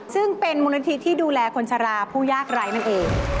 ซึ่งเป็นมูลนิธิที่ดูแลคนชะลาผู้ยากไร้นั่นเอง